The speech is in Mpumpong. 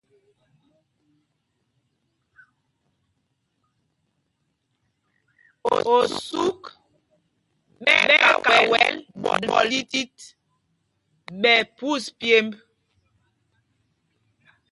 Osûk ɓɛ́ ɛ́ kawɛl ɓɔl tit ɓɛ phūs pyêmb ê.